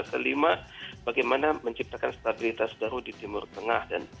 kelima bagaimana menciptakan stabilitas baru di timur tengah